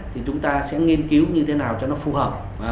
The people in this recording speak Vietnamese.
thì chúng ta sẽ nghiên cứu như thế nào cho nó phù hợp